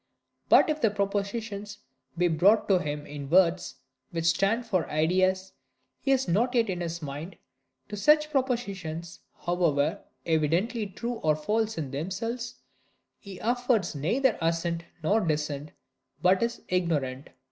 But if propositions be brought to him in words which stand for ideas he has not yet in his mind, to such propositions, however evidently true or false in themselves, he affords neither assent nor dissent, but is ignorant.